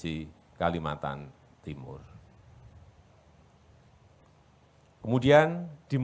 aplikasi visitors di saja lokasi milik tabah ini